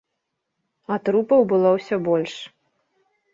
А трупаў было ўсё больш.